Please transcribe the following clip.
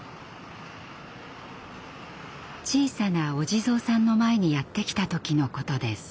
小さなお地蔵さんの前にやって来た時のことです。